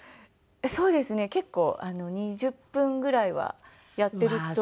そうですね結構２０分ぐらいはやってると。